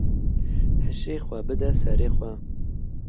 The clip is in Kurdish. Hişê xwe bide serê xwe.